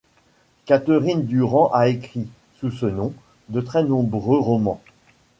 Catherine Durand a écrit, sous ce nom, de très nombreux romans.